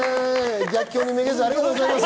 逆境にめげず、ありがとうございます。